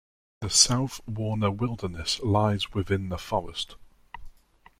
The South Warner Wilderness lies within the forest.